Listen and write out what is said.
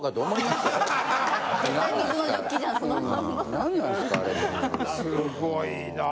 すごいなぁ。